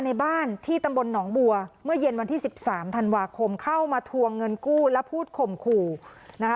ในบ้านที่ตำบลหนองบัวเมื่อเย็นวันที่สิบสามธันวาคมเข้ามาทวงเงินกู้และพูดข่มขู่นะคะ